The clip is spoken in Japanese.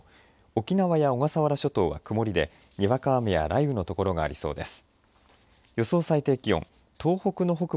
沖縄や小笠原諸島は曇りでにわか雨や雷雨の所がありそうです。